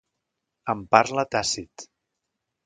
En parla Tàcit.